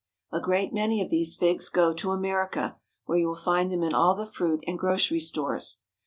A great many of these figs go to America, where you will find them in all the fruit and grocery stores.